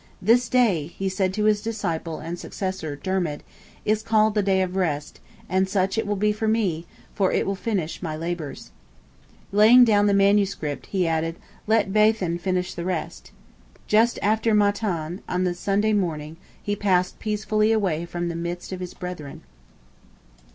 "This day," he said to his disciple and successor, Dermid, "is called the day of rest, and such it will be for me, for it will finish my labours." Laying down the manuscript, he added, "let Baithen finish the rest." Just after Matins, on the Sunday morning, he peacefully passed away from the midst of his brethren.